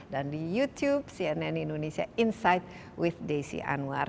dan di youtube cnn indonesia insight with desi anwar